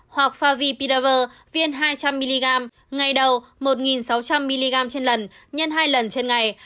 hoặc favipidavir viên hai trăm linh mg ngày đầu một sáu trăm linh mg trên lần nhân hai lần trên ngày